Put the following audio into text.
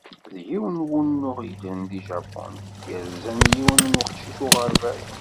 D yiwen n wunuɣ yeddren n Japun, yerzan yiwen n weqcic uɣerbaz.